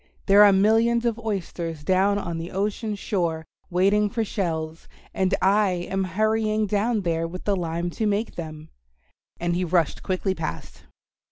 There are millions of oysters down on the ocean shore waiting for shells, and I am hurrying down there with the lime to make them," and he rushed quickly past.